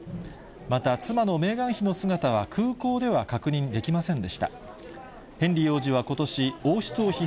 また、妻のメーガン妃の姿は空港では確認できませんでした。